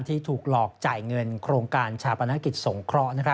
ที่ถูกหลอกจ่ายเงินโครงการชาปนกิจสงเคราะห์